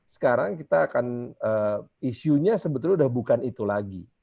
sekarang kita akan isunya sebetulnya sudah bukan itu lagi